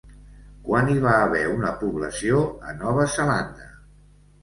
Quan hi va haver una població a Nova Zelanda?